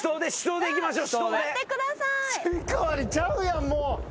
スイカ割りちゃうやんもう。